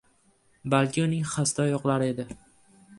balki uning xasta oyoqlari edi.